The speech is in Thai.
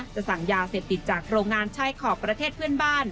สั่งยาเสพติดจากโรงงานชายขอบประเทศเพื่อนบ้าน